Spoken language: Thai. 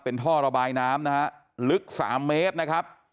เป็นท่อระบายน้ำนะฮะลึก๓เมตรนะครับ